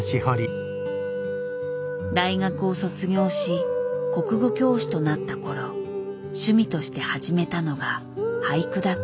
大学を卒業し国語教師となった頃趣味として始めたのが俳句だった。